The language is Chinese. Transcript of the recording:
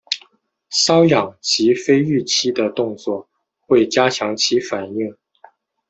搔痒及非预期的动作会加强其反应。